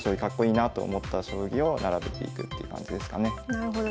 なるほど。